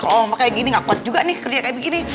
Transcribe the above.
oh kayak gini gak kuat juga nih kerja kayak begini